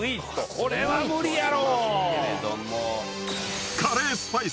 これは無理やろ。